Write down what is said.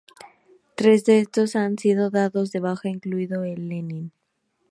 Tres de estos han sido dados de baja, incluido el "Lenin".